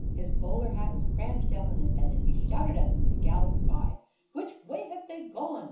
His bowler hat was crammed down on his head, and he shouted at them as he galloped by. "Which way have they gone?"